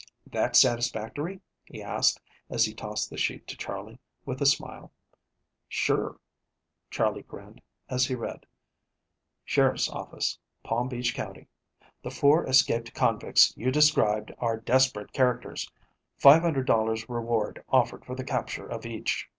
"That satisfactory?" he asked, as he tossed the sheet to Charley with a smile. "Sure," Charley grinned, as he read: "SHERIFF'S OFFICE, Palm Beach Co. "The four escaped convicts you described are desperate characters $500 reward offered for the capture of each.